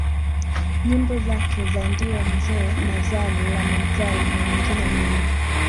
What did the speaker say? Nyimbo zake za ndiyo mzee na zali la mentali na nyingine nyingi